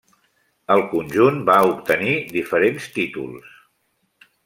El conjunt va obtenir diferents títols.